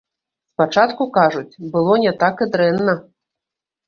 Спачатку, кажуць, было не так і дрэнна.